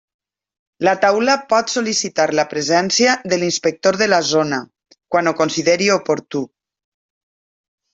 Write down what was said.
La Taula pot sol·licitar la presència de l'inspector de la zona, quan ho consideri oportú.